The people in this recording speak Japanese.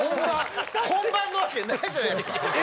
本番なわけないじゃないですか！